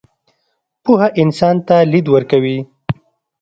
پوهه انسان ته لید ورکوي.